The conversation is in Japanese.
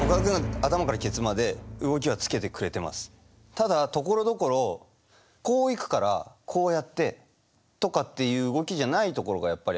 ただところどころこう行くからこうやってとかっていう動きじゃないところがやっぱりあって。